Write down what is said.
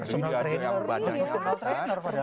personal trainer ya